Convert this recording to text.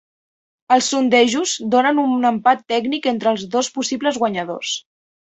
Els sondejos donen un empat tècnic entre els dos possibles guanyadors